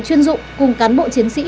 chuyên dụng cùng cán bộ chiến sĩ